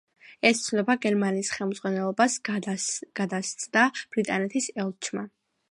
ეს ცნობა გერმანიის ხელმძღვანელობას გადასცა ბრიტანეთის ელჩმა.